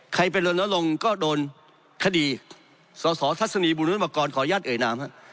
ใครเป็นรณรงค์ก็โดนคดีสศทัศนีบุรุณบากรขอยาศเอ๋นาม